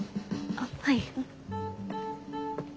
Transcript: あっはい。